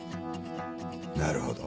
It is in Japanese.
なるほど。